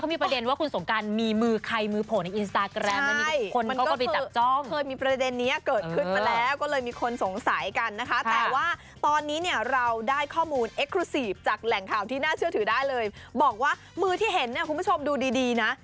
ไม่น่าเชื่อถือได้เลยบอกว่ามือที่เห็นคุณผู้ชมดูดีนะ